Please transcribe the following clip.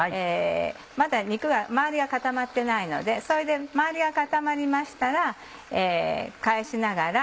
まだ周りが固まってないのでそれで周りが固まりましたら。